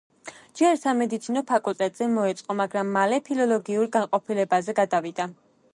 ჯერ სამედიცინო ფაკულტეტზე მოეწყო, მაგრამ მალე ფილოლოგიურ განყოფილებაზე გადავიდა.